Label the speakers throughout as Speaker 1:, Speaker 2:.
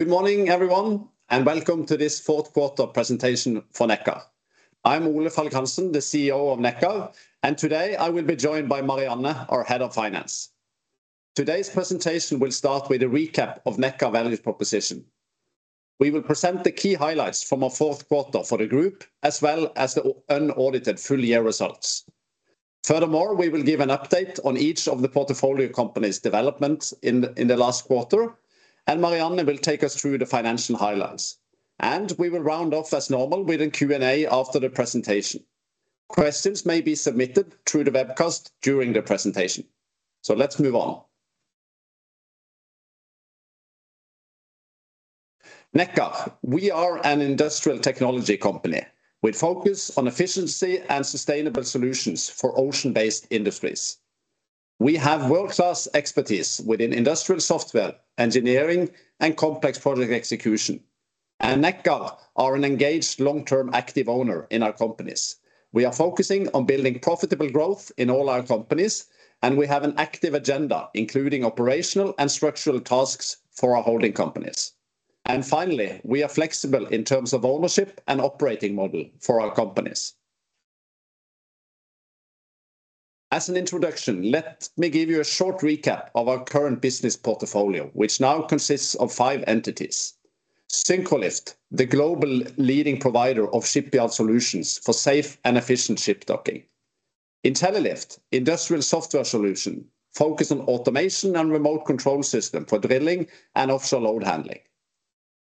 Speaker 1: Good morning, everyone, and welcome to this fourth quarter presentation for Nekkar. I'm Ole Falk Hansen, the CEO of Nekkar, and today I will be joined by Marianne, our Head of Finance. Today's presentation will start with a recap of Nekkar value proposition. We will present the key highlights from our fourth quarter for the group, as well as the unaudited full year results. Furthermore, we will give an update on each of the portfolio companies' development in the last quarter, and Marianne will take us through the financial highlights. We will round off as normal with a Q&A after the presentation. Questions may be submitted through the webcast during the presentation. So let's move on. Nekkar. We are an industrial technology company with focus on efficiency and sustainable solutions for ocean-based industries. We have world-class expertise within industrial software, engineering, and complex project execution. Nekkar is an engaged, long-term, active owner in our companies. We are focusing on building profitable growth in all our companies, and we have an active agenda, including operational and structural tasks for our holding companies. Finally, we are flexible in terms of ownership and operating model for our companies. As an introduction, let me give you a short recap of our current business portfolio, which now consists of five entities. Syncrolift, the global leading provider of shipyard solutions for safe and efficient ship docking. Intellilift, industrial software solution, focus on automation and remote control system for drilling and offshore load handling.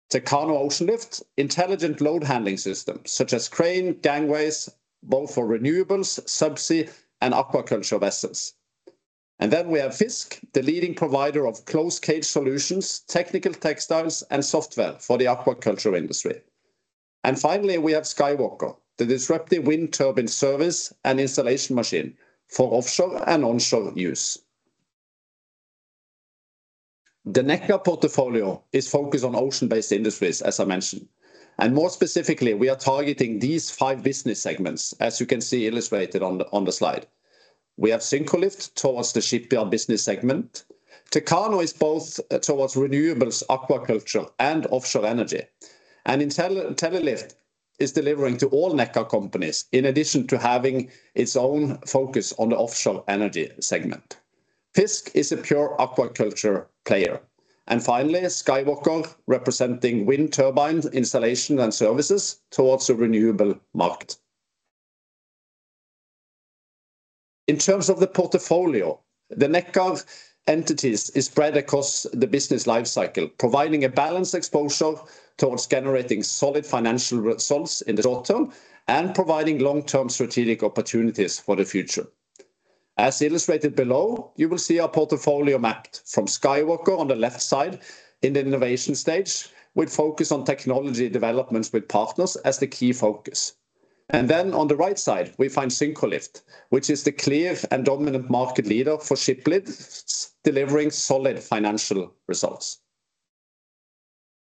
Speaker 1: Techano Oceanlift, intelligent load-handling systems, such as crane, gangways, both for renewables, subsea, and aquaculture vessels. And then we have FiiZK, the leading provider of closed cage solutions, technical textiles, and software for the aquaculture industry. And finally, we have SkyWalker, the disruptive wind turbine service and installation machine for offshore and onshore use. The Nekkar portfolio is focused on ocean-based industries, as I mentioned, and more specifically, we are targeting these five business segments, as you can see illustrated on the, on the slide. We have Syncrolift towards the shipyard business segment. Techano is both towards renewables, aquaculture, and offshore energy. And Intellilift is delivering to all Nekkar companies, in addition to having its own focus on the offshore energy segment. FiiZK is a pure aquaculture player. And finally, SkyWalker, representing wind turbine installation and services towards a renewable market. In terms of the portfolio, the Nekkar entities is spread across the business life cycle, providing a balanced exposure towards generating solid financial results in the short term and providing long-term strategic opportunities for the future. As illustrated below, you will see our portfolio mapped from SkyWalker on the left side in the innovation stage, with focus on technology developments with partners as the key focus. And then on the right side, we find Syncrolift, which is the clear and dominant market leader for ship lifts, delivering solid financial results.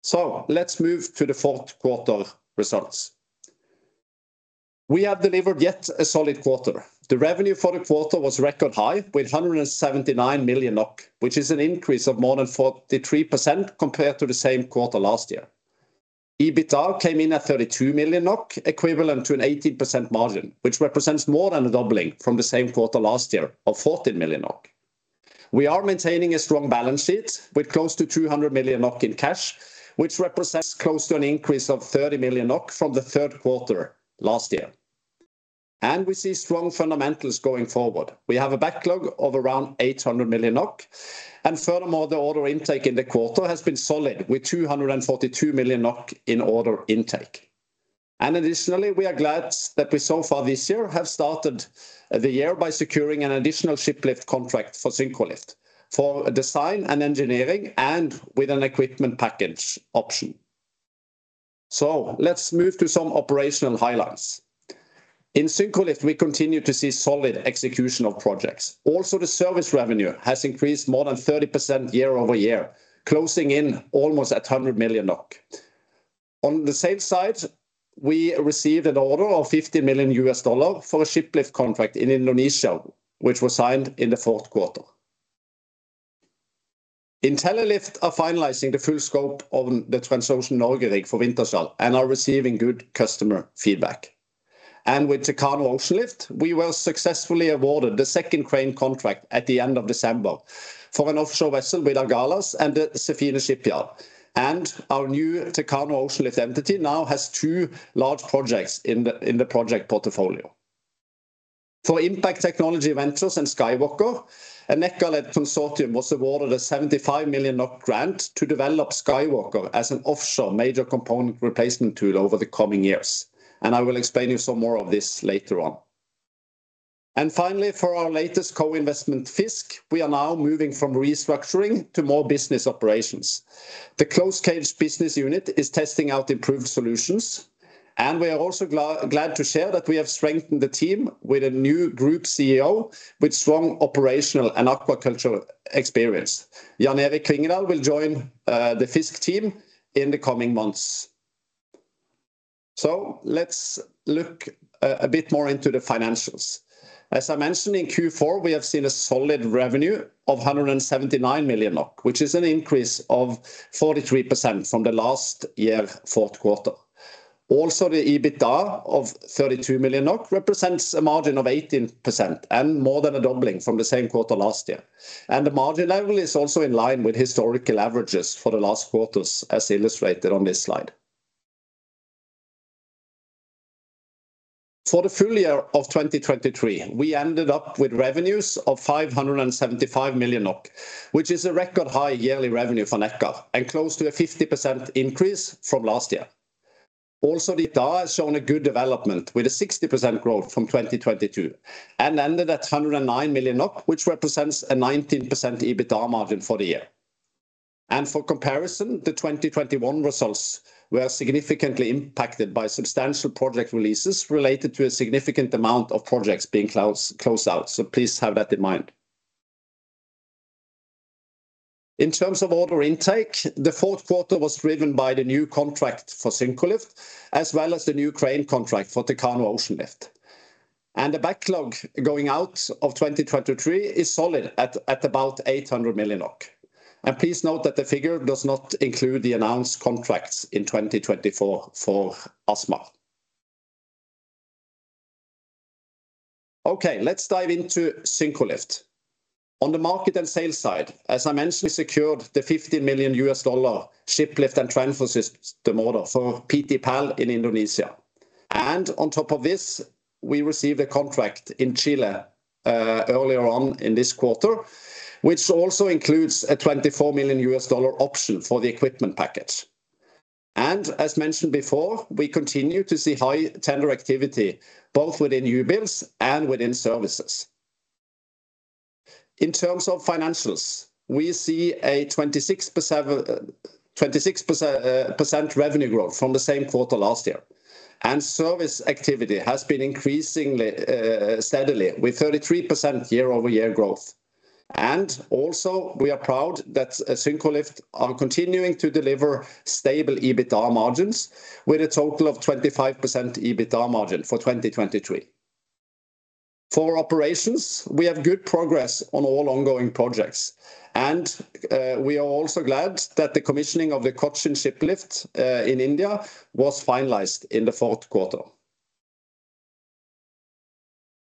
Speaker 1: So let's move to the fourth quarter results. We have delivered yet a solid quarter. The revenue for the quarter was record high, with 179 million NOK, which is an increase of more than 43% compared to the same quarter last year. EBITDA came in at 32 million NOK, equivalent to an 18% margin, which represents more than a doubling from the same quarter last year of 14 million NOK. We are maintaining a strong balance sheet, with close to 200 million NOK in cash, which represents close to an increase of 30 million NOK from the third quarter last year. We see strong fundamentals going forward. We have a backlog of around 800 million NOK, and furthermore, the order intake in the quarter has been solid, with 242 million NOK in order intake. Additionally, we are glad that we so far this year have started the year by securing an additional ship lift contract for Syncrolift, for design and engineering and with an equipment package option. So let's move to some operational highlights. In Syncrolift, we continue to see solid execution of projects. Also, the service revenue has increased more than 30% year-over-year, closing in almost at 100 million NOK. On the sales side, we received an order of $50 million for a ship lift contract in Indonesia, which was signed in the fourth quarter. Intellilift are finalizing the full scope of the Transocean Norge rig for Wintershall and are receiving good customer feedback. With Techano Oceanlift, we were successfully awarded the second crane contract at the end of December for an offshore vessel with Agalas and the Sefine Shipyard. Our new Techano Oceanlift entity now has two large projects in the project portfolio. For Impact Technology Ventures and SkyWalker, a Nekkar-led consortium was awarded a 75 million grant to develop SkyWalker as an offshore major component replacement tool over the coming years. I will explain you some more of this later on. Finally, for our latest co-investment, FiiZK, we are now moving from restructuring to more business operations. The closed cage business unit is testing out improved solutions, and we are also glad to share that we have strengthened the team with a new Group CEO with strong operational and aquaculture experience. Jan Erik Kvingedal will join the FiiZK team in the coming months. So let's look a bit more into the financials. As I mentioned, in Q4, we have seen a solid revenue of 179 million NOK, which is an increase of 43% from last year's fourth quarter. Also, the EBITDA of 32 million NOK represents a margin of 18% and more than a doubling from the same quarter last year. And the margin level is also in line with historical averages for the last quarters, as illustrated on this slide. For the full year of 2023, we ended up with revenues of 575 million, which is a record high yearly revenue for Nekkar, and close to a 50% increase from last year. Also, the EBITDA has shown a good development, with a 60% growth from 2022, and ended at 109 million NOK, which represents a 19% EBITDA margin for the year. For comparison, the 2021 results were significantly impacted by substantial project releases related to a significant amount of projects being closed, closed out. Please have that in mind. In terms of order intake, the fourth quarter was driven by the new contract for Syncrolift, as well as the new crane contract for Techano Oceanlift. The backlog going out of 2023 is solid at about 800 million NOK. Please note that the figure does not include the announced contracts in 2024 for ASMAR. Okay, let's dive into Syncrolift. On the market and sales side, as I mentioned, we secured the $50 million ship lift and transfer system order for PT PAL in Indonesia. And on top of this, we received a contract in Chile earlier on in this quarter, which also includes a $24 million option for the equipment package. And as mentioned before, we continue to see high tender activity both within new builds and within services. In terms of financials, we see a 26% revenue growth from the same quarter last year, and service activity has been increasingly steadily, with 33% year-over-year growth. And also, we are proud that Syncrolift is continuing to deliver stable EBITDA margins, with a total of 25% EBITDA margin for 2023. For operations, we have good progress on all ongoing projects, and we are also glad that the commissioning of the Cochin Shipyard lift in India was finalized in the fourth quarter.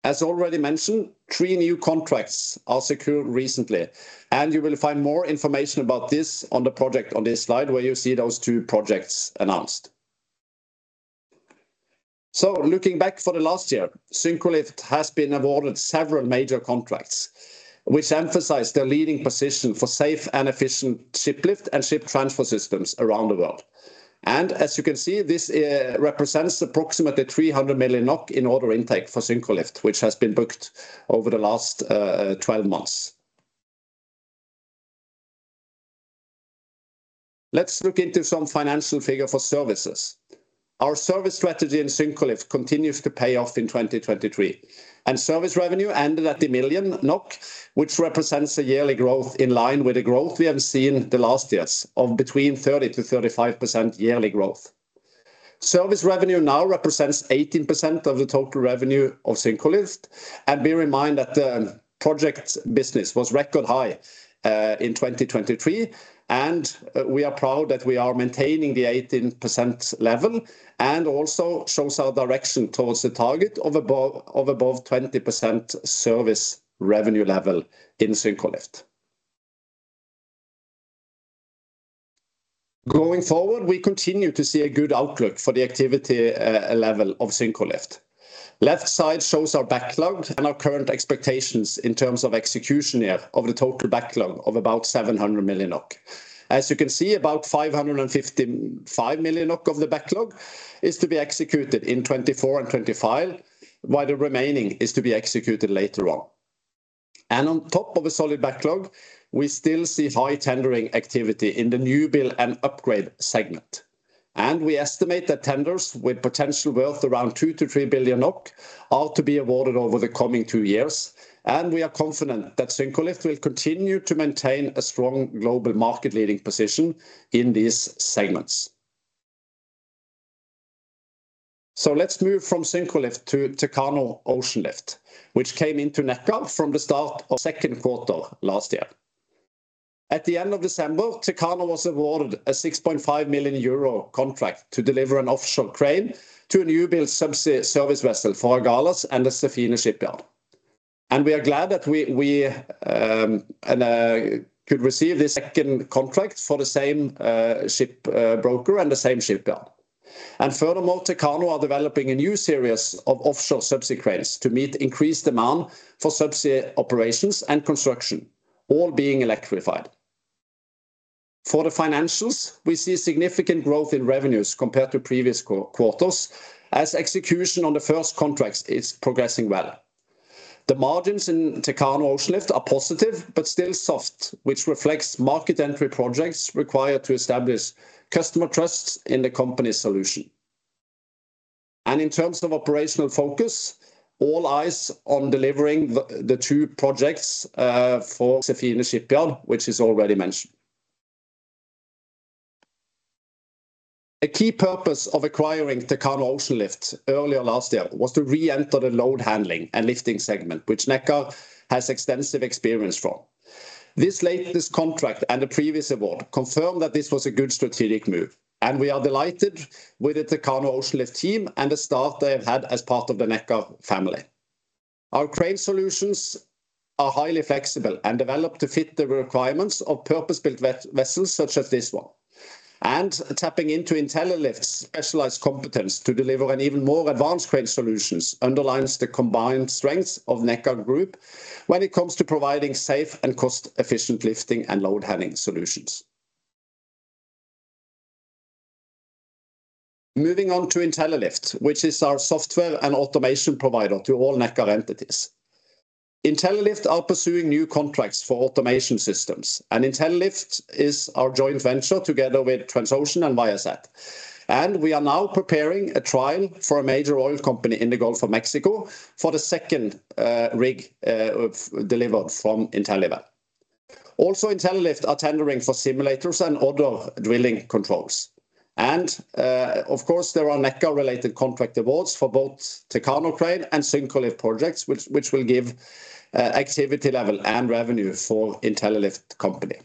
Speaker 1: As already mentioned, three new contracts are secured recently, and you will find more information about this on the project on this slide, where you see those two projects announced. So looking back for the last year, Syncrolift has been awarded several major contracts, which emphasize their leading position for safe and efficient ship lift and ship transfer systems around the world. And as you can see, this represents approximately 300 million NOK in order intake for Syncrolift, which has been booked over the last 12 months. Let's look into some financial figures for services. Our service strategy in Syncrolift continues to pay off in 2023, and service revenue ended at 1 million NOK, which represents a yearly growth in line with the growth we have seen the last years of between 30%-35% yearly growth. Service revenue now represents 18% of the total revenue of Syncrolift, and bear in mind that the projects business was record high in 2023. We are proud that we are maintaining the 18% level, and also shows our direction towards the target of above, of above 20% service revenue level in Syncrolift. Going forward, we continue to see a good outlook for the activity level of Syncrolift. Left side shows our backlog and our current expectations in terms of execution here of the total backlog of about 700 million NOK. As you can see, about 555 million NOK of the backlog is to be executed in 2024 and 2025, while the remaining is to be executed later on. On top of a solid backlog, we still see high tendering activity in the new build and upgrade segment. We estimate that tenders with potential worth around 2 billion-3 billion NOK are to be awarded over the coming two years. We are confident that Syncrolift will continue to maintain a strong global market leading position in these segments. So let's move from Syncrolift to Techano Oceanlift, which came into Nekkar from the start of second quarter last year. At the end of December, Techano was awarded a 6.5 million euro contract to deliver an offshore crane to a new build subsea service vessel for Agalas and the Sefine Shipyard. We are glad that we could receive this second contract for the same ship broker and the same shipyard. Furthermore, Techano are developing a new series of offshore subsea cranes to meet increased demand for subsea operations and construction, all being electrified. For the financials, we see significant growth in revenues compared to previous quarters, as execution on the first contracts is progressing well. The margins in Techano Oceanlift are positive but still soft, which reflects market entry projects required to establish customer trust in the company's solution. In terms of operational focus, all eyes on delivering the two projects for Sefine Shipyard, which is already mentioned. A key purpose of acquiring Techano Oceanlift earlier last year was to re-enter the load handling and lifting segment, which Nekkar has extensive experience from. This latest contract and the previous award confirmed that this was a good strategic move, and we are delighted with the Techano Oceanlift team and the staff they have had as part of the Nekkar family. Our crane solutions are highly flexible and developed to fit the requirements of purpose-built vessels such as this one. Tapping into Intellilift's specialized competence to deliver an even more advanced crane solutions underlines the combined strengths of Nekkar Group when it comes to providing safe and cost-efficient lifting and load-handling solutions. Moving on to Intellilift, which is our software and automation provider to all Nekkar entities. Intellilift are pursuing new contracts for automation systems, and Intellilift is our joint venture together with Transocean and Viasat. We are now preparing a trial for a major oil company in the Gulf of Mexico for the second rig delivered from InteliWell. Also, Intellilift are tendering for simulators and other drilling controls. And, of course, there are Nekkar-related contract awards for both Techano and Syncrolift projects, which will give activity level and revenue for Intellilift company.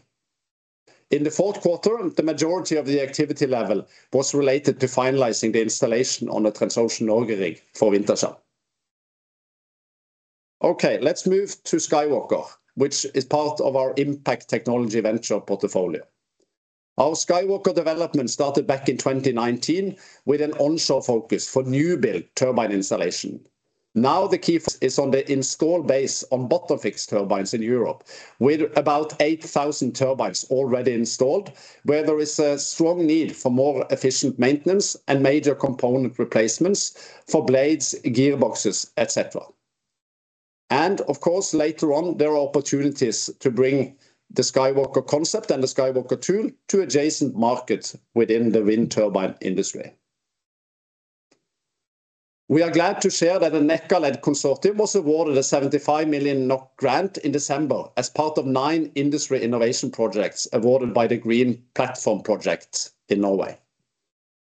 Speaker 1: In the fourth quarter, the majority of the activity level was related to finalizing the installation on the Transocean Norge rig for Wintershall. Okay, let's move to SkyWalker, which is part of our Impact Technology Venture portfolio. Our SkyWalker development started back in 2019, with an onshore focus for new build turbine installation. Now, the key is on the install base on bottom fixed turbines in Europe, with about 8,000 turbines already installed, where there is a strong need for more efficient maintenance and major component replacements for blades, gearboxes, etc. Of course, later on, there are opportunities to bring the SkyWalker concept and the SkyWalker tool to adjacent markets within the wind turbine industry. We are glad to share that the Nekkar-led consortium was awarded a 75 million NOK grant in December as part of nine industry innovation projects awarded by the Green Platform projects in Norway.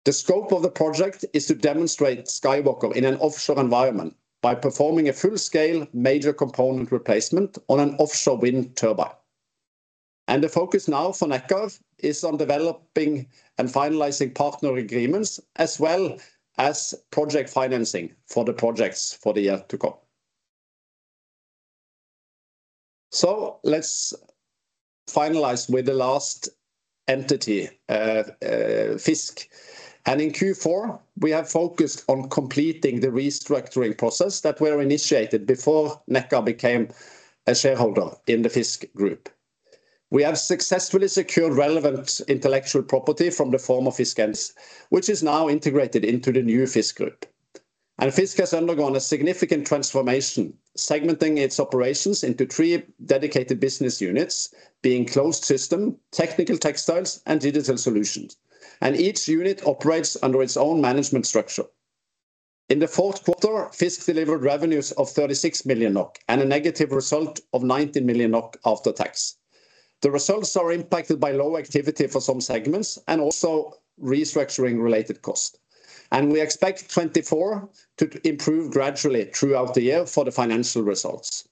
Speaker 1: The scope of the project is to demonstrate SkyWalker in an offshore environment by performing a full-scale major component replacement on an offshore wind turbine. The focus now for Nekkar is on developing and finalizing partner agreements, as well as project financing for the projects for the year to come. Let's finalize with the last entity, FiiZK. And in Q4, we have focused on completing the restructuring process that were initiated before Nekkar became a shareholder in the FiiZK group. We have successfully secured relevant intellectual property from the former FiiZK, which is now integrated into the new FiiZK group. FiiZK has undergone a significant transformation, segmenting its operations into three dedicated business units, being closed system, technical textiles and digital solutions, and each unit operates under its own management structure. In the fourth quarter, FiiZK delivered revenues of 36 million NOK and -19 million NOK after tax. The results are impacted by low activity for some segments and also restructuring related costs, and we expect 2024 to improve gradually throughout the year for the financial results.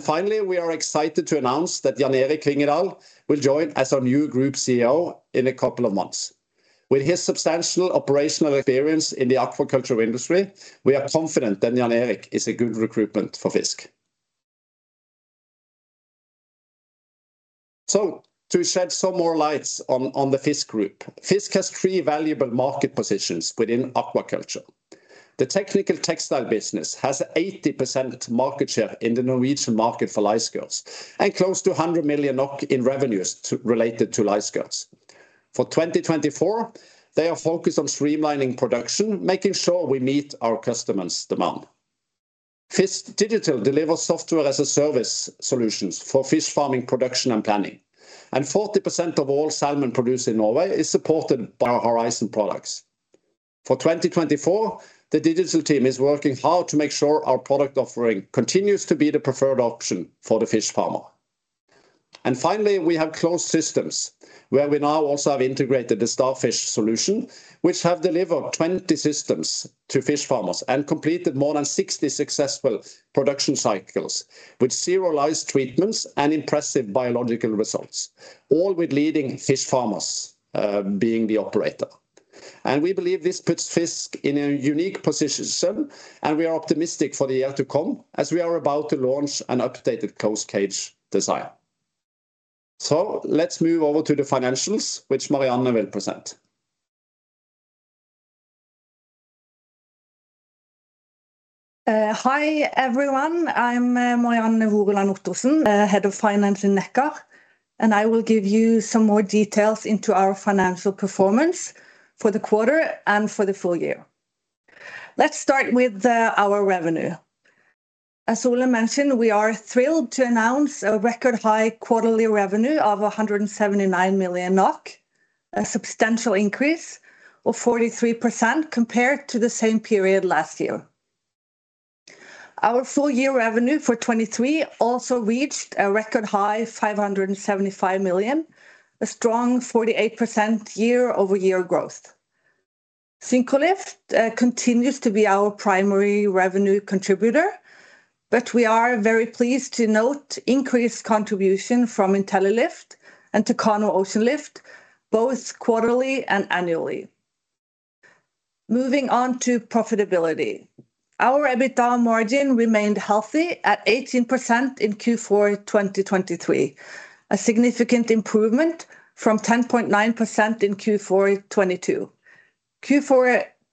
Speaker 1: Finally, we are excited to announce that Jan Erik Kvingedal will join as our new group CEO in a couple of months. With his substantial operational experience in the aquaculture industry, we are confident that Jan Erik is a good recruitment for FiiZK. So to shed some more light on the FiiZK group, FiiZK has three valuable market positions within aquaculture. The technical textile business has 80% market share in the Norwegian market for lice skirts, and close to 100 million NOK in revenues related to lice skirts. For 2024, they are focused on streamlining production, making sure we meet our customers' demand. FiiZK Digital delivers software-as-a-service solutions for fish farming, production and planning, and 40% of all salmon produced in Norway is supported by our Horizon products. For 2024, the digital team is working hard to make sure our product offering continues to be the preferred option for the fish farmer. Finally, we have closed systems where we now also have integrated the Starfish solution, which have delivered 20 systems to fish farmers and completed more than 60 successful production cycles, with serialized treatments and impressive biological results, all with leading fish farmers being the operator. We believe this puts FiiZK in a unique position, and we are optimistic for the year to come as we are about to launch an updated closed cage design. Let's move over to the financials, which Marianne will present.
Speaker 2: Hi, everyone. I'm Marianne Voreland Ottosen, Head of Finance at Nekkar, and I will give you some more details into our financial performance for the quarter and for the full year. Let's start with our revenue. As Ole mentioned, we are thrilled to announce a record high quarterly revenue of 179 million NOK, a substantial increase of 43% compared to the same period last year.... Our full year revenue for 2023 also reached a record high, 575 million, a strong 48% year-over-year growth. Syncrolift continues to be our primary revenue contributor, but we are very pleased to note increased contribution from Intellilift and Techano Oceanlift, both quarterly and annually. Moving on to profitability. Our EBITDA margin remained healthy at 18% in Q4 2023, a significant improvement from 10.9% in Q4 2022. Q4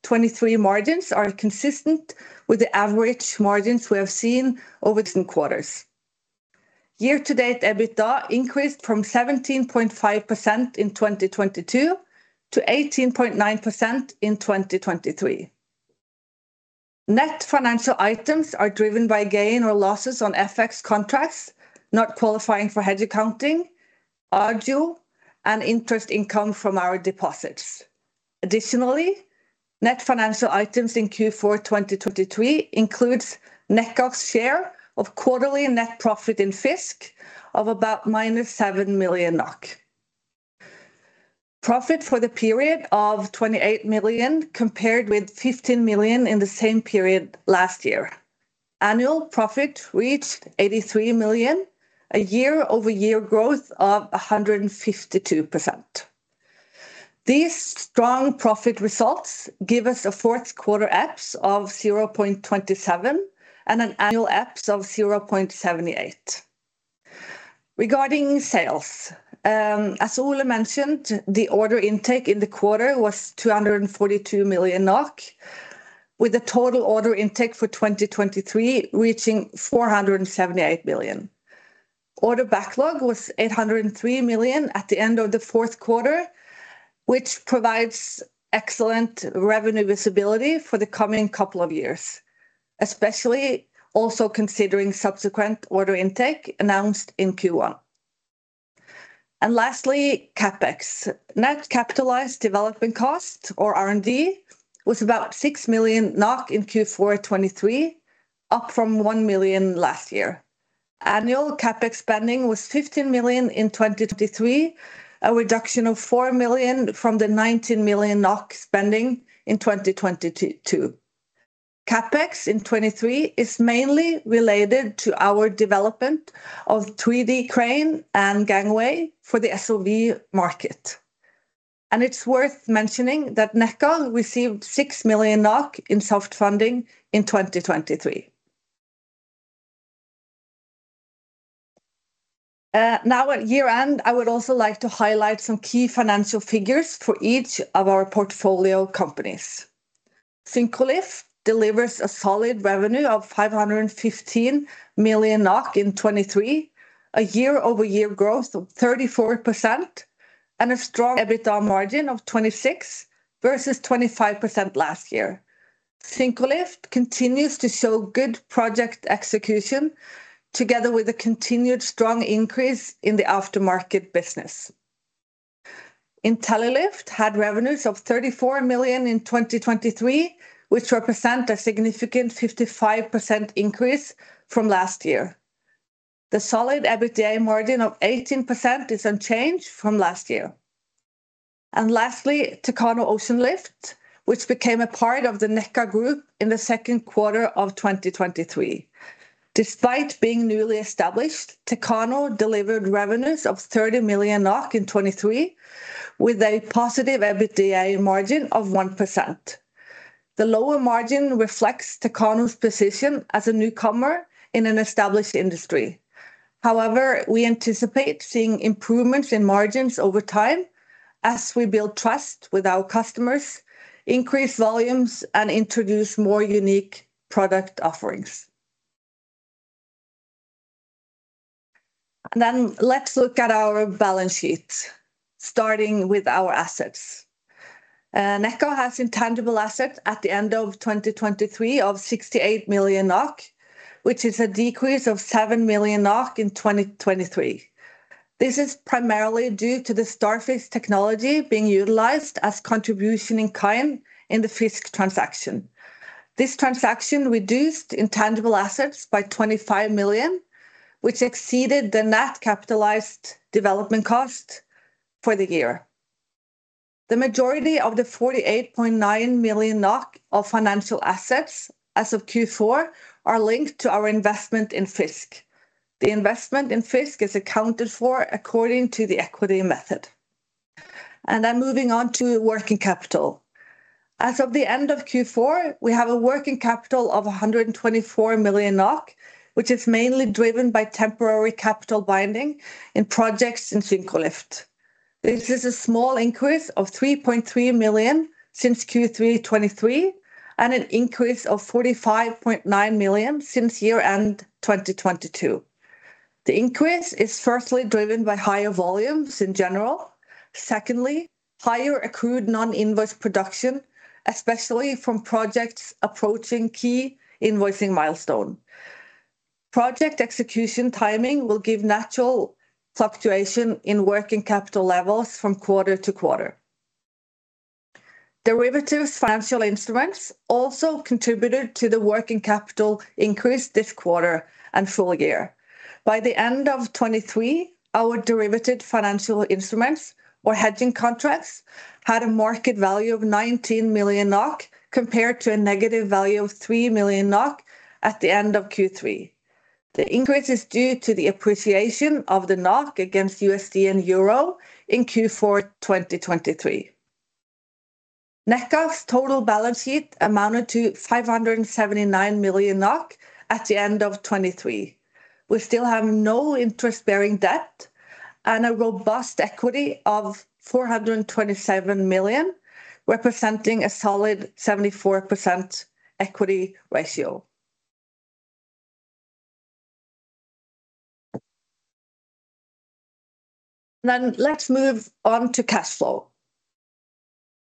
Speaker 2: 2023 margins are consistent with the average margins we have seen over some quarters. Year-to-date, EBITDA increased from 17.5% in 2022 to 18.9% in 2023. Net financial items are driven by gain or losses on FX contracts, not qualifying for hedge accounting, Accrued interest income from our deposits. Additionally, net financial items in Q4 2023 includes Nekkar's share of quarterly net profit in FiiZK of about -7 million NOK. Profit for the period of 28 million, compared with 15 million in the same period last year. Annual profit reached 83 million, a year-over-year growth of 152%. These strong profit results give us a fourth quarter EPS of 0.27 and an annual EPS of 0.78. Regarding sales, as Ole mentioned, the order intake in the quarter was 242 million NOK, with a total order intake for 2023 reaching 478 million. Order backlog was 803 million at the end of the fourth quarter, which provides excellent revenue visibility for the coming couple of years, especially also considering subsequent order intake announced in Q1. And lastly, CapEx. Net capitalized development cost, or R&D, was about 6 million NOK in Q4 2023, up from 1 million last year. Annual CapEx spending was 15 million in 2023, a reduction of 4 million from the 19 million NOK spending in 2022. CapEx in 2023 is mainly related to our development of 3D crane and gangway for the SOV market. And it's worth mentioning that Nekkar received 6 million NOK in soft funding in 2023. Now, at year-end, I would also like to highlight some key financial figures for each of our portfolio companies. Syncrolift delivers a solid revenue of 515 million NOK in 2023, a year-over-year growth of 34%, and a strong EBITDA margin of 26% versus 25% last year. Syncrolift continues to show good project execution, together with a continued strong increase in the aftermarket business. Intellilift had revenues of 34 million in 2023, which represent a significant 55% increase from last year. The solid EBITDA margin of 18% is unchanged from last year. And lastly, Techano Oceanlift, which became a part of the Nekkar group in the second quarter of 2023. Despite being newly established, Techano delivered revenues of 30 million NOK in 2023, with a positive EBITDA margin of 1%. The lower margin reflects Techano's position as a newcomer in an established industry. However, we anticipate seeing improvements in margins over time as we build trust with our customers, increase volumes, and introduce more unique product offerings. Then let's look at our balance sheet, starting with our assets. Nekkar has intangible assets at the end of 2023, of 68 million NOK, which is a decrease of 7 million NOK in 2023. This is primarily due to the Starfish technology being utilized as contribution in kind in the FiiZK transaction. This transaction reduced intangible assets by 25 million, which exceeded the net capitalized development cost for the year. The majority of the 48.9 million NOK of financial assets as of Q4 are linked to our investment in FiiZK. The investment in FiiZK is accounted for according to the equity method. Moving on to working capital. As of the end of Q4, we have a working capital of 124 million NOK, which is mainly driven by temporary capital binding in projects in Syncrolift. This is a small increase of 3.3 million since Q3 2023, and an increase of 45.9 million since year-end 2022. The increase is firstly driven by higher volumes in general. Secondly, higher accrued non-invoiced production, especially from projects approaching key invoicing milestone. Project execution timing will give natural fluctuation in working capital levels from quarter-to-quarter. Derivatives financial instruments also contributed to the working capital increase this quarter and full year. By the end of 2023, our derivative financial instruments or hedging contracts had a market value of 19 million NOK, compared to a -3 million NOK at the end of Q3. The increase is due to the appreciation of the NOK against USD and Euro in Q4 2023. Nekkar's total balance sheet amounted to 579 million NOK at the end of 2023. We still have no interest-bearing debt and a robust equity of 427 million, representing a solid 74% equity ratio. Then let's move on to cash flow.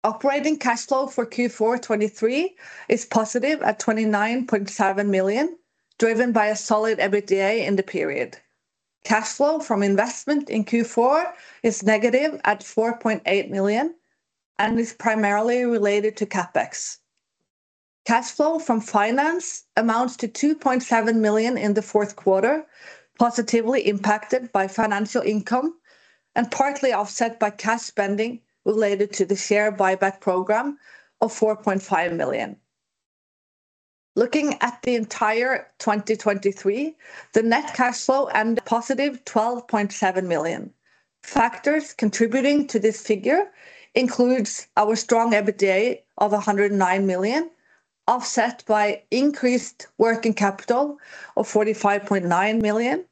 Speaker 2: Operating cash flow for Q4 2023 is +29.7 million, driven by a solid EBITDA in the period. Cash flow from investment in Q4 is -4.8 million and is primarily related to CapEx. Cash flow from finance amounts to 2.7 million in the fourth quarter, positively impacted by financial income and partly offset by cash spending related to the share buyback program of 4.5 million. Looking at the entire 2023, the net cash flow and +12.7 million. Factors contributing to this figure includes our strong EBITDA of 109 million, offset by increased working capital of 45.9 million,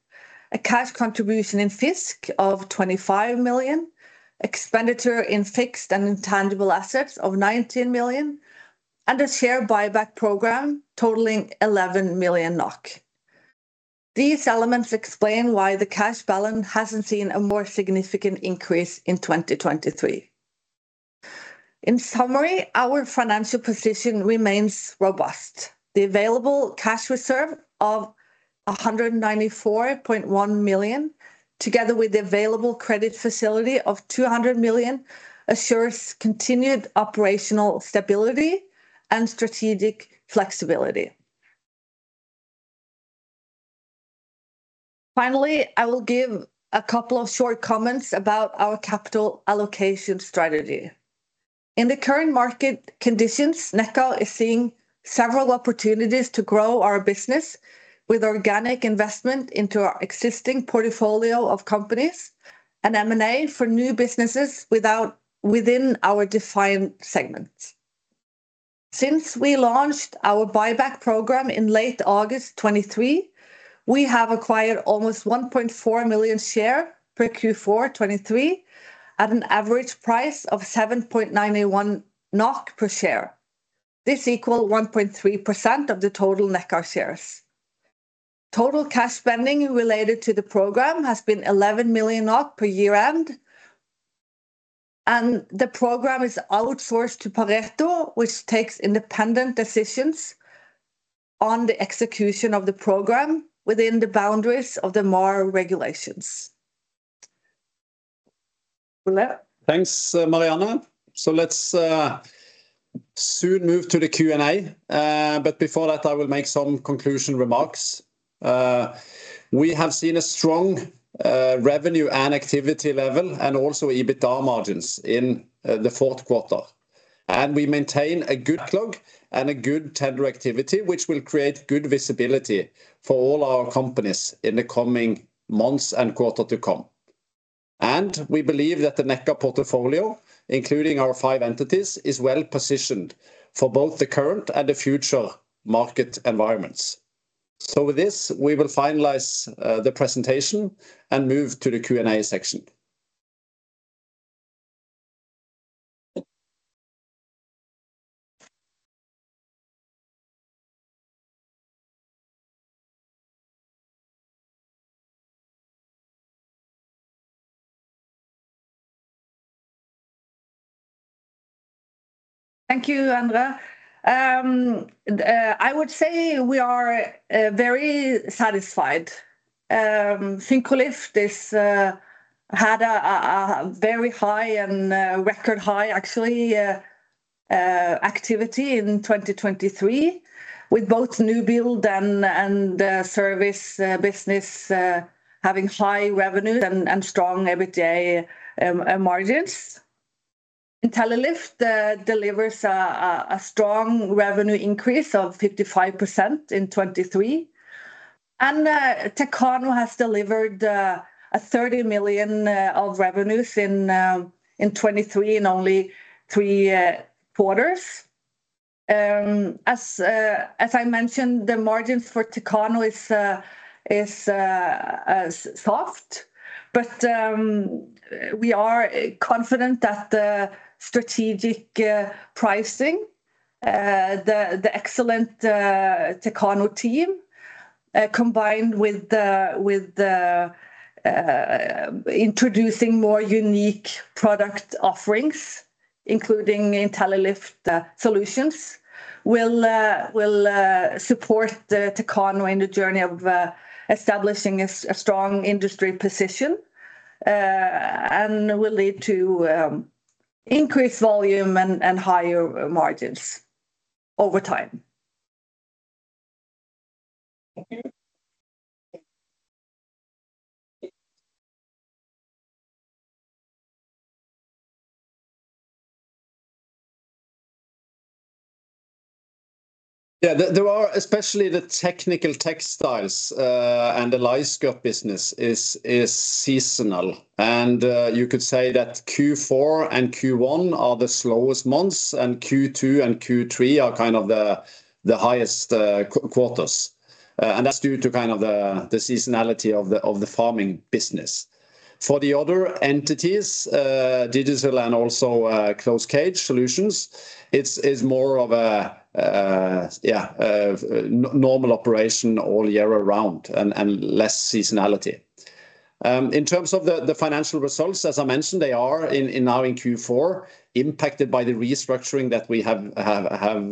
Speaker 2: a cash contribution in FiiZK of 25 million, expenditure in fixed and intangible assets of 19 million, and a share buyback program totaling 11 million NOK. These elements explain why the cash balance hasn't seen a more significant increase in 2023. In summary, our financial position remains robust. The available cash reserve of 194.1 million, together with the available credit facility of 200 million, assures continued operational stability and strategic flexibility. Finally, I will give a couple of short comments about our capital allocation strategy. In the current market conditions, Nekkar is seeing several opportunities to grow our business with organic investment into our existing portfolio of companies and M&A for new businesses within our defined segments. Since we launched our buyback program in late August 2023, we have acquired almost 1.4 million shares in Q4 2023, at an average price of 7.91 NOK per share. This equals 1.3% of the total Nekkar shares. Total cash spending related to the program has been 11 million at year-end, and the program is outsourced to Pareto, which takes independent decisions on the execution of the program within the boundaries of the MAR regulations. Ole?
Speaker 1: Thanks, Marianne. So let's soon move to the Q&A, but before that, I will make some conclusion remarks. We have seen a strong revenue and activity level and also EBITDA margins in the fourth quarter. We maintain a good backlog and a good tender activity, which will create good visibility for all our companies in the coming months and quarter to come. We believe that the Nekkar portfolio, including our five entities, is well-positioned for both the current and the future market environments. So with this, we will finalize the presentation and move to the Q&A section.
Speaker 2: Thank you. [inaudible] I would say we are very satisfied. Intellilift had a very high and record high, actually, activity in 2023, with both new build and service business having high revenues and strong EBITDA margins. Intellilift delivers a strong revenue increase of 55% in 2023. Techano has delivered 30 million of revenues in 2023 in only three quarters. As I mentioned, the margins for Techano is soft. We are confident that the strategic pricing, the excellent Techano team, combined with the introducing more unique product offerings, including Intellilift solutions, will support the Techano in the journey of establishing a strong industry position, and will lead to increased volume and higher margins over time....
Speaker 1: Thank you. Yeah, there are, especially the technical textiles, and the analyze the business is seasonal. And you could say that Q4 and Q1 are the slowest months, and Q2 and Q3 are kind of the highest quarters. And that's due to kind of the seasonality of the farming business. For the other entities, digital and also closed cage solutions, it is more of a yeah, a normal operation all year around and less seasonality. In terms of the financial results, as I mentioned, they are now in Q4 impacted by the restructuring that we have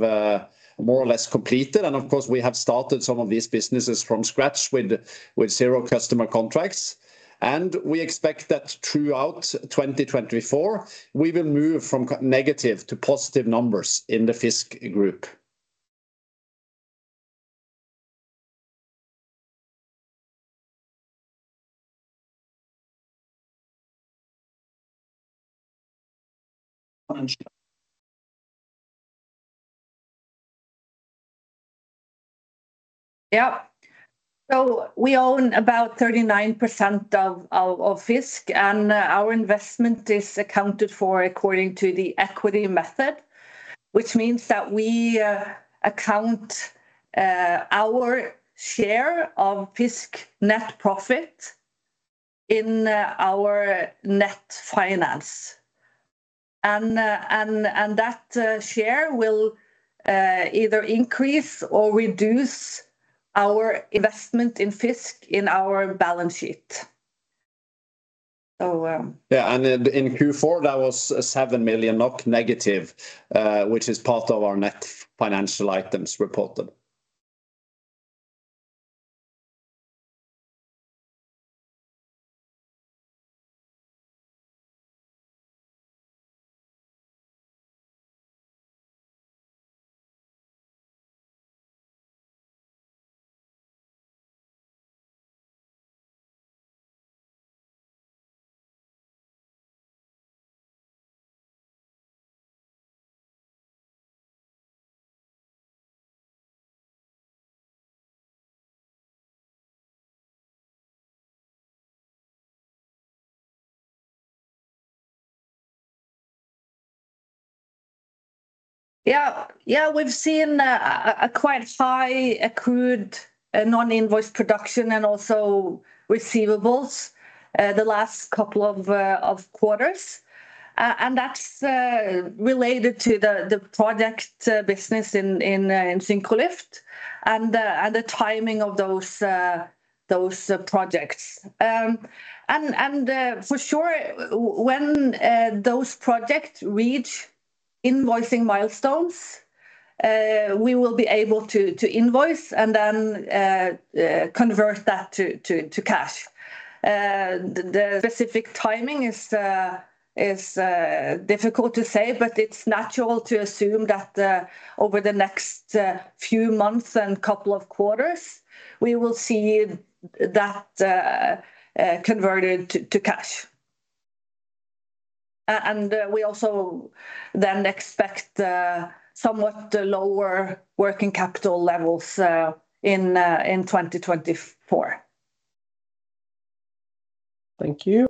Speaker 1: more or less completed. And of course, we have started some of these businesses from scratch with zero customer contracts. We expect that throughout 2024, we will move from negative to positive numbers in the FiiZK group.
Speaker 2: Yeah. So we own about 39% of FiiZK, and our investment is accounted for according to the equity method, which means that we account our share of FiiZK net profit in our net finance. And that share will either increase or reduce our investment in FiiZK in our balance sheet. So,
Speaker 1: Yeah, and in Q4, that was a -7 million NOK, which is part of our net financial items reported.
Speaker 2: Yeah. Yeah, we've seen a quite high accrued non-invoiced production and also receivables the last couple of quarters. That's related to the project business in Syncrolift and the timing of those projects. For sure, when those projects reach invoicing milestones, we will be able to invoice and then convert that to cash. The specific timing is difficult to say, but it's natural to assume that over the next few months and couple of quarters, we will see that converted to cash. We also then expect somewhat lower working capital levels in 2024.
Speaker 3: Thank you.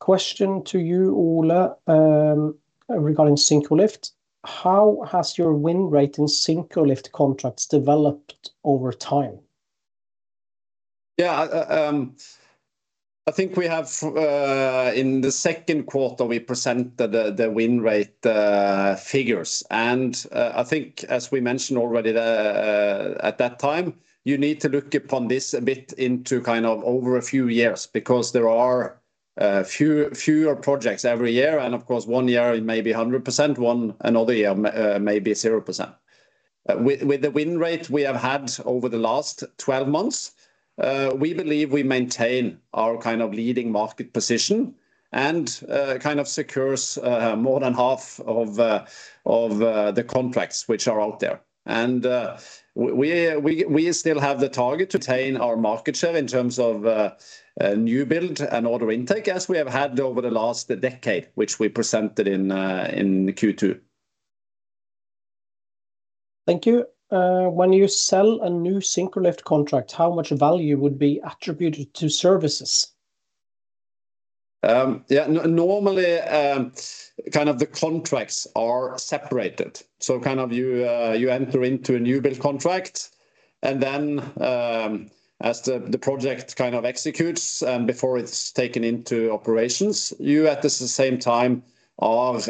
Speaker 3: Question to you, Ole, regarding Syncrolift: How has your win rate in Syncrolift contracts developed over time?
Speaker 1: Yeah, I think we have. In the second quarter, we presented the win rate figures. And, I think as we mentioned already, the, at that time, you need to look upon this a bit into kind of over a few years, because there are, fewer projects every year, and of course, one year it may be 100%, one another year may be 0%. With the win rate we have had over the last 12 months, we believe we maintain our kind of leading market position and kind of secures more than half of the contracts which are out there. We still have the target to retain our market share in terms of new build and order intake, as we have had over the last decade, which we presented in Q2.
Speaker 3: Thank you. When you sell a new Syncrolift contract, how much value would be attributed to services?
Speaker 1: Yeah, normally, kind of the contracts are separated, so kind of you, you enter into a new build contract, and then, as the project kind of executes, before it's taken into operations, you at the same time are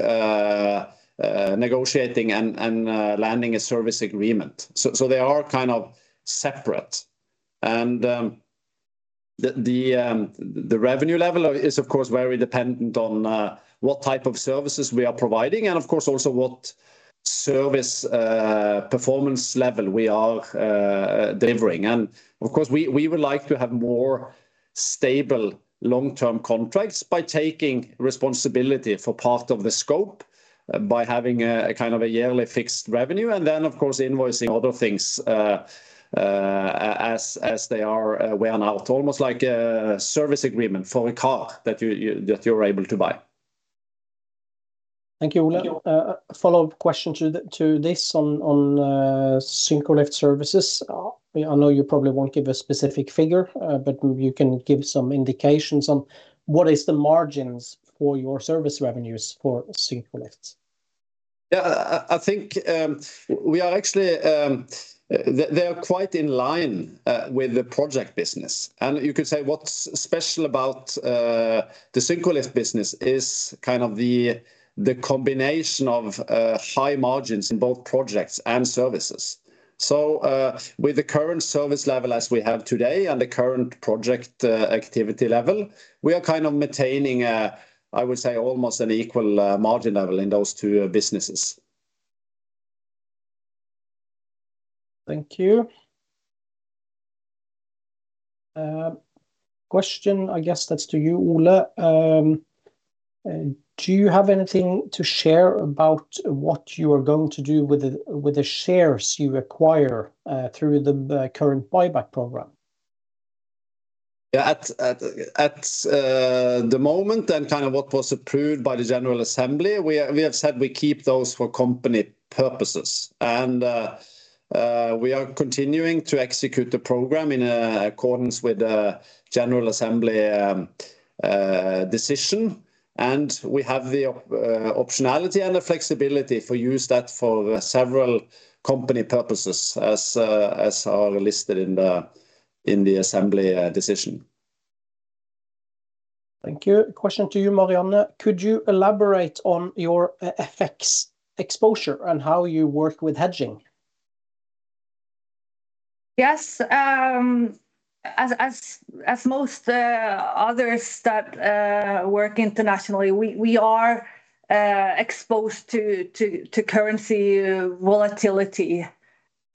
Speaker 1: negotiating and landing a service agreement. So they are kind of separate. And the revenue level is, of course, very dependent on what type of services we are providing and of course, also what service performance level we are delivering. And of course, we would like to have more stable long-term contracts by taking responsibility for part of the scope by having a kind of a yearly fixed revenue, and then, of course, invoicing other things as they are wear and out. Almost like a service agreement for a car that you're able to buy.
Speaker 3: Thank you, Ole. A follow-up question to this on Syncrolift services. I know you probably won't give a specific figure, but you can give some indications on what is the margins for your service revenues for Syncrolift?
Speaker 1: Yeah, I think we are actually... They are quite in line with the project business. And you could say what's special about the Syncrolift business is kind of the combination of high margins in both projects and services. So, with the current service level as we have today and the current project activity level, we are kind of maintaining a, I would say, almost an equal margin level in those two businesses.
Speaker 3: Thank you. Question, I guess that's to you, Ole. Do you have anything to share about what you are going to do with the, with the shares you acquire, through the, the current buyback program?
Speaker 1: Yeah, at the moment and kind of what was approved by the general assembly, we have said we keep those for company purposes. And we are continuing to execute the program in accordance with the general assembly decision, and we have the optionality and the flexibility to use that for several company purposes as are listed in the assembly decision.
Speaker 3: Thank you. Question to you, Marianne: Could you elaborate on your FX exposure and how you work with hedging?
Speaker 2: Yes. As most others that work internationally, we are exposed to currency volatility.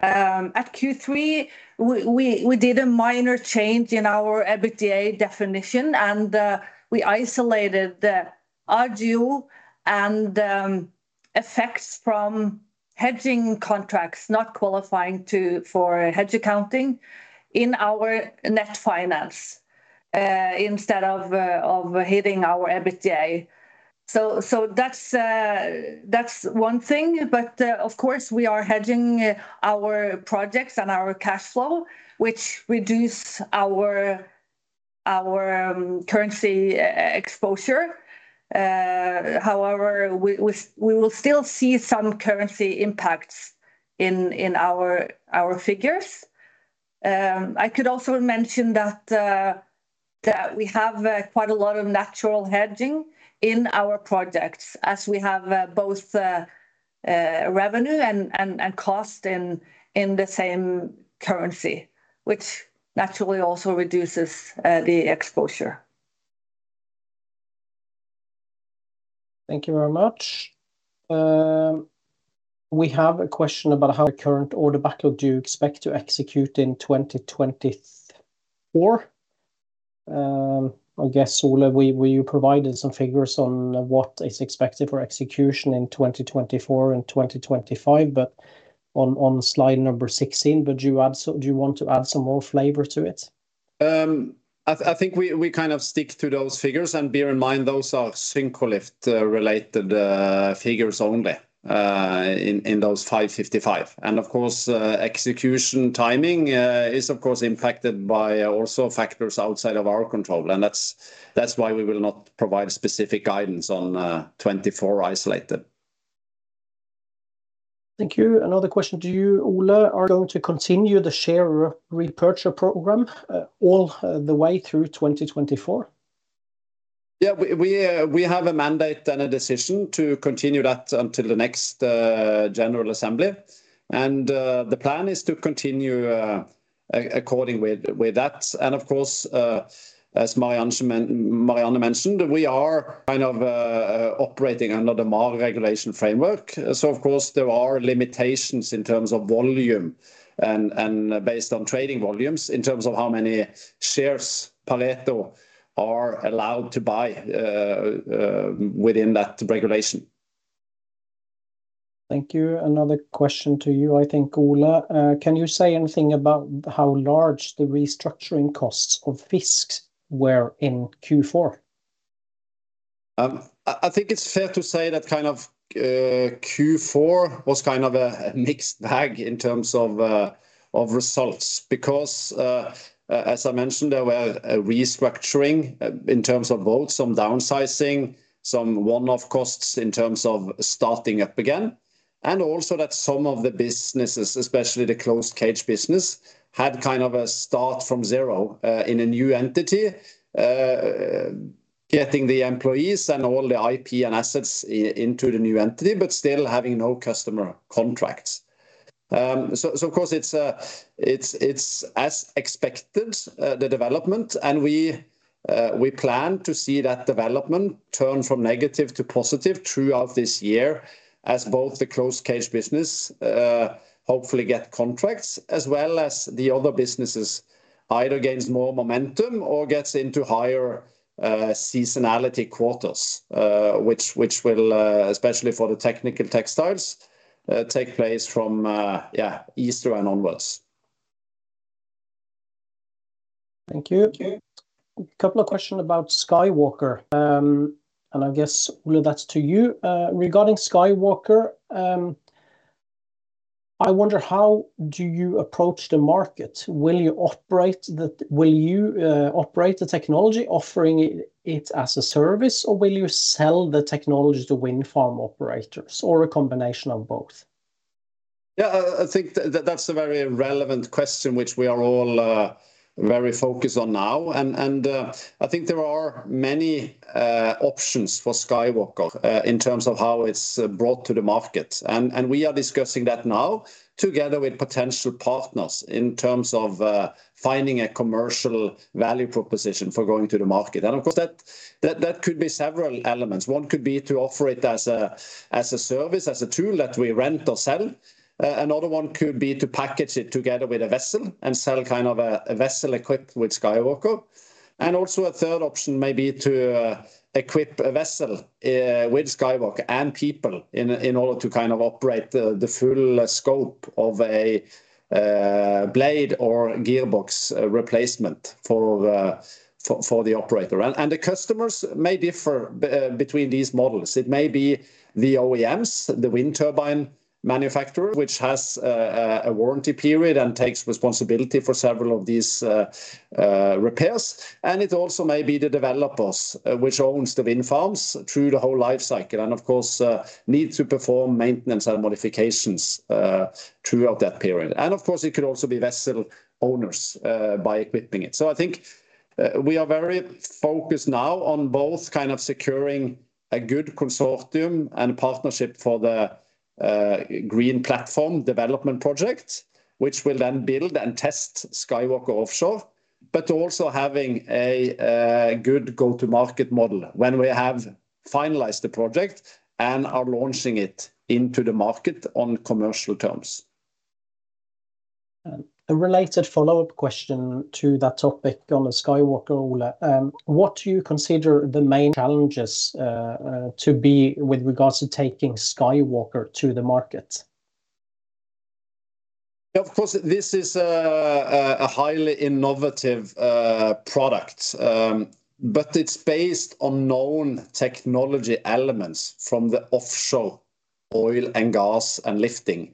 Speaker 2: At Q3, we did a minor change in our EBITDA definition, and we isolated the Agio and effects from hedging contracts not qualifying for hedge accounting in our net finance, instead of hitting our EBITDA. So that's one thing, but of course, we are hedging our projects and our cash flow, which reduce our currency exposure. However, we will still see some currency impacts in our figures. I could also mention that we have quite a lot of natural hedging in our projects, as we have both revenue and cost in the same currency, which naturally also reduces the exposure.
Speaker 3: Thank you very much. We have a question about how the current order backlog do you expect to execute in 2024? I guess, Ole, we provided some figures on what is expected for execution in 2024 and 2025, but on slide number 16, but do you want to add some more flavor to it?
Speaker 1: I think we kind of stick to those figures, and bear in mind, those are Syncrolift related figures only in those 555. And of course, execution timing is, of course, impacted by also factors outside of our control, and that's why we will not provide specific guidance on 2024 isolated.
Speaker 3: Thank you. Another question to you, Ole: Are you going to continue the share repurchase program, all the way through 2024?
Speaker 1: Yeah, we have a mandate and a decision to continue that until the next general assembly. And the plan is to continue according with that. And of course, as Marianne mentioned, we are kind of operating under the market regulation framework. So of course, there are limitations in terms of volume and based on trading volumes, in terms of how many shares Pareto are allowed to buy within that regulation.
Speaker 3: Thank you. Another question to you, I think, Ole. Can you say anything about how large the restructuring costs of FiiZK were in Q4?
Speaker 1: I think it's fair to say that kind of Q4 was kind of a mixed bag in terms of results. Because as I mentioned, there were a restructuring in terms of both some downsizing, some one-off costs in terms of starting up again, and also that some of the businesses, especially the closed cage business, had kind of a start from zero in a new entity, getting the employees and all the IP and assets into the new entity, but still having no customer contracts. So of course, it's as expected, the development, and we plan to see that development turn from negative to positive throughout this year, as both the closed cage business hopefully get contracts, as well as the other businesses... either gains more momentum or gets into higher seasonality quarters, which will especially for the technical textiles take place from Easter onward.
Speaker 3: Thank you. A couple of questions about SkyWalker. And I guess, Ole, that's to you. Regarding SkyWalker, I wonder, how do you approach the market? Will you operate the technology, offering it as a service, or will you sell the technology to wind farm operators, or a combination of both?
Speaker 1: Yeah, I think that's a very relevant question, which we are all very focused on now, and I think there are many options for SkyWalker in terms of how it's brought to the market. We are discussing that now together with potential partners in terms of finding a commercial value proposition for going to the market. Of course, that could be several elements. One could be to offer it as a service, as a tool that we rent or sell. Another one could be to package it together with a vessel and sell kind of a vessel equipped with SkyWalker. And also a third option may be to equip a vessel with SkyWalker and people in order to kind of operate the full scope of a blade or gearbox replacement for the operator. And the customers may differ between these models. It may be the OEMs, the wind turbine manufacturer, which has a warranty period and takes responsibility for several of these repairs, and it also may be the developers which owns the wind farms through the whole life cycle, and of course need to perform maintenance and modifications throughout that period. And, of course, it could also be vessel owners by equipping it. I think we are very focused now on both kind of securing a good consortium and partnership for the Green Platform development project, which will then build and test SkyWalker offshore, but also having a good go-to-market model when we have finalized the project and are launching it into the market on commercial terms.
Speaker 3: A related follow-up question to that topic on the SkyWalker, Ole. What do you consider the main challenges to be with regards to taking SkyWalker to the market?
Speaker 1: Of course, this is a highly innovative product. But it's based on known technology elements from the offshore oil and gas and lifting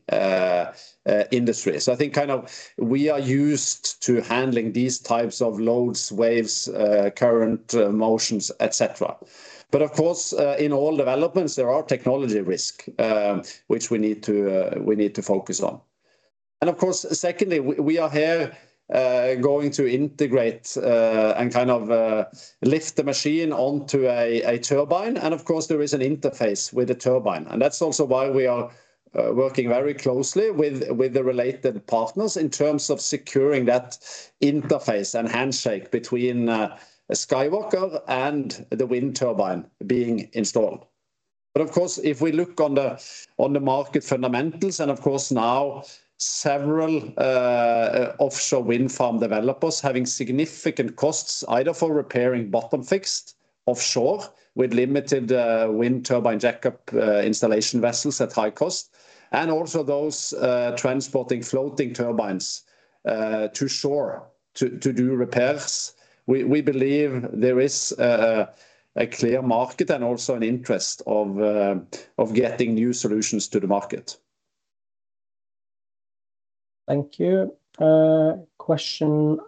Speaker 1: industry. So I think kind of we are used to handling these types of loads, waves, current, motions, et cetera. But of course, in all developments, there are technology risk which we need to focus on. And of course, secondly, we are here going to integrate and kind of lift the machine onto a turbine. And of course, there is an interface with the turbine, and that's also why we are working very closely with the related partners in terms of securing that interface and handshake between SkyWalker and the wind turbine being installed. But of course, if we look on the market fundamentals, and of course now several offshore wind farm developers having significant costs, either for repairing bottom fixed offshore with limited wind turbine jackup installation vessels at high cost, and also those transporting floating turbines to shore to do repairs, we believe there is a clear market and also an interest of getting new solutions to the market.
Speaker 3: Thank you. Question: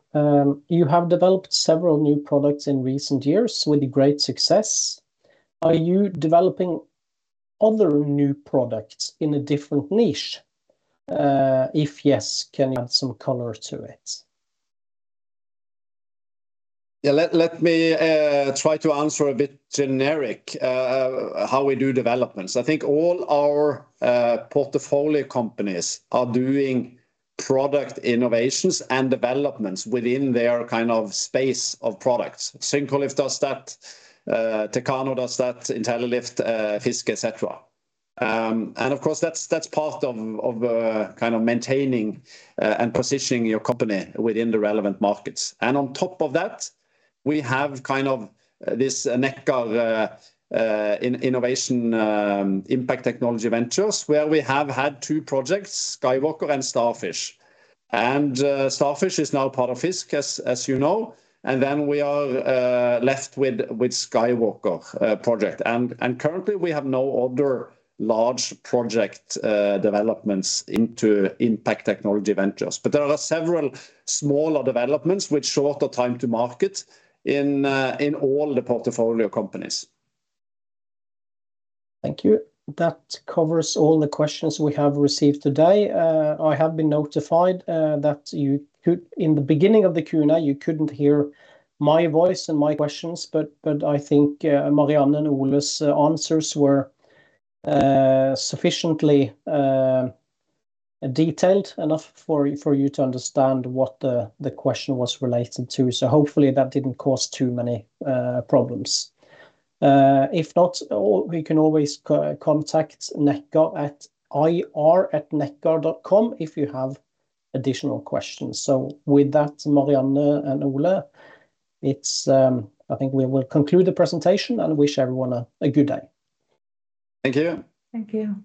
Speaker 3: You have developed several new products in recent years with great success. Are you developing other new products in a different niche? If yes, can you add some color to it?
Speaker 1: Yeah, let me try to answer a bit generic, how we do developments. I think all our portfolio companies are doing product innovations and developments within their kind of space of products. Syncrolift does that, Techano does that, Intellilift, FiiZK, etc. And of course, that's part of kind of maintaining and positioning your company within the relevant markets. And on top of that, we have kind of this Nekkar Innovation Impact Technology Ventures, where we have had two projects, SkyWalker and Starfish. And Starfish is now part of FiiZK, as you know, and then we are left with SkyWalker project. Currently, we have no other large project developments into Impact Technology Ventures, but there are several smaller developments with shorter time to market in all the portfolio companies.
Speaker 3: Thank you. That covers all the questions we have received today. I have been notified that you could... In the beginning of the Q&A, you couldn't hear my voice and my questions, but I think Marianne and Ole's answers were sufficiently detailed enough for you to understand what the question was relating to, so hopefully, that didn't cause too many problems. If not, we can always contact Nekkar at ir@nekkar.com if you have additional questions. So with that, Marianne and Ole, it's I think we will conclude the presentation and wish everyone a good day.
Speaker 1: Thank you.
Speaker 3: Thank you.